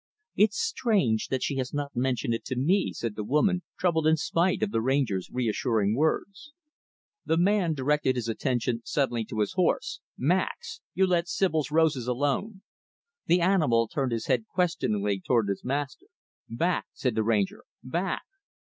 "It's strange that she has not mentioned it to me," said the woman troubled in spite of the Ranger's reassuring words. The man directed his attention suddenly to his horse; "Max! You let Sibyl's roses alone." The animal turned his head questioningly toward his master. "Back!" said the Ranger, "back!"